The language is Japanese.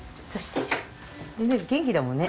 全然元気だもんね。